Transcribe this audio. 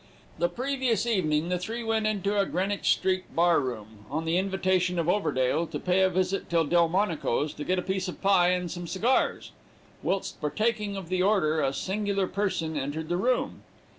The previous evening the three went into a Greenwich street bar room, on the invitation of Overdale to pay a visit to Delmonico's, to get a piece of pie and some cigars. Whilst partaking of the order, a singular person entered the room.